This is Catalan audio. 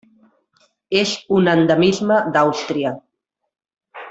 És un endemisme d'Àustria.